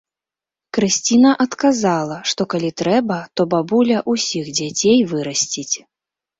Крысціна адказала, што калі трэба, то бабуля ўсіх дзяцей вырасціць.